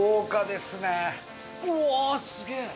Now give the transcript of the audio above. うわーすげえ！